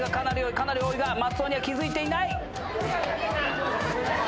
かなり多いが松尾には気付いていない。